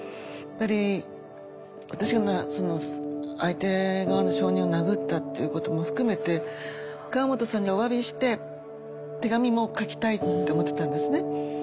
やっぱり私がその相手側の証人を殴ったっていうことも含めて川本さんにおわびして手紙も書きたいって思ってたんですね。